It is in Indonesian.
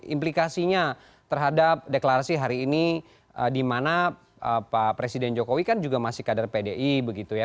implikasinya terhadap deklarasi hari ini di mana pak presiden jokowi kan juga masih kader pdi begitu ya